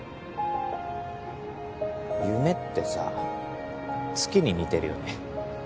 夢ってさ月に似てるよね。